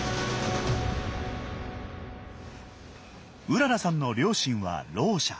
うららさんの両親はろう者。